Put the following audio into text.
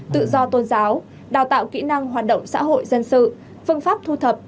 tự do tôn giáo đào tạo kỹ năng hoạt động xã hội dân sự phương pháp thu thập